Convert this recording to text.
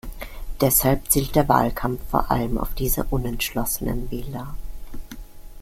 Deshalb zielt der Wahlkampf vor allem auf diese unentschlossenen Wähler.